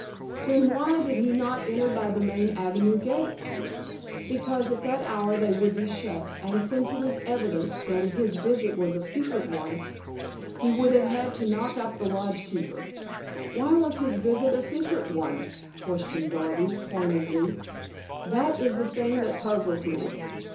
"Then why did he not enter by the main avenue gates?" "Because at that hour they would be shut, and since it is evident that his visit was a secret one he would have had to knock up the lodge keeper." "Why was his visit a secret one?" questioned Darby pointedly. "That is the thing that puzzles me.